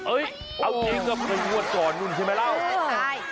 เอ้ยเอาจริงนะใครงวดก่อนนู้นใช่ไหมแล้ว